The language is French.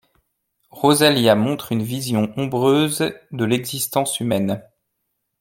Rosalía montre une vision ombreuse de l'existence humaine.